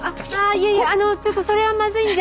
いやいやあのちょっとそれはまずいんじゃ。